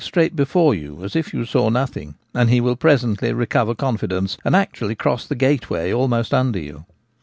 straight before you as if you saw nothing, and he will presently recover confidence, and actually cross the gateway almost under you.